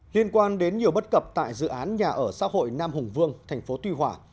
liên quan đến nhiều bất cập tại dự án nhà ở xã hội nam hùng vương thành phố tuy hòa